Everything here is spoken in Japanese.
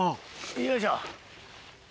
よいしょ。